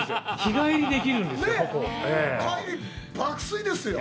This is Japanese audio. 帰り、爆睡ですよ。